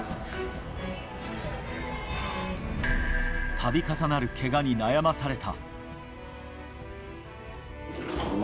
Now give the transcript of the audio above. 度重なるけがに悩まされた。